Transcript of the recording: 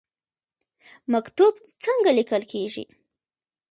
مکتوب څنګه لیکل کیږي؟